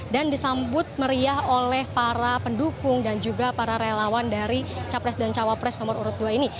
dan disambut meriah oleh para pendukung dan juga para relawan dari capres dan cawapres nomor urut dua ini